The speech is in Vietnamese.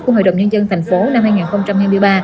của hội đồng nhân dân tp hcm năm hai nghìn hai mươi ba